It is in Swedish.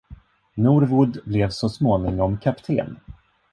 Norwood blev så småningom kapten.